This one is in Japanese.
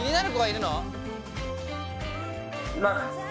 います。